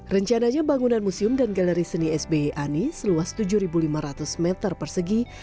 rencananya bangunan museum dan galeri seni sby ani seluas tujuh lima ratus meter persegi